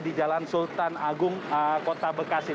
di jalan sultan agung kota bekasi